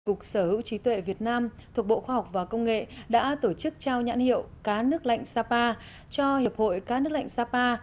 cục sở hữu trí tuệ việt nam thuộc bộ khoa học và công nghệ đã tổ chức trao nhãn hiệu cá nước lạnh sapa cho hiệp hội cá nước lạnh sapa